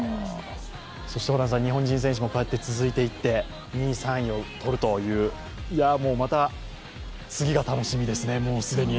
そして日本人選手もこうやって続いていって２位、３位を取るという、次が楽しみですね。